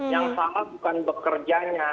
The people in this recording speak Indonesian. yang salah bukan bekerjanya